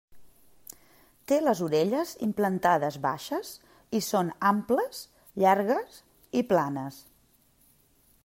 Té les orelles implantades baixes i són amples, llargues i planes.